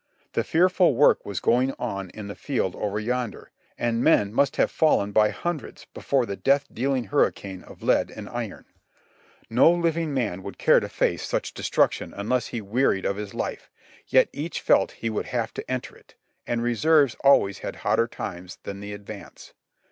The fearful work was going on in the field over yonder; and men must have fallen by hundreds before that death dealing hur ricane of lead and iron. No living man would care to face such lyZ JOHNNY RKB and BILI.Y YANK destruction unless he wearied of his life, yet each felt he would have to enter it ; and reserves always had hotter times than the advance.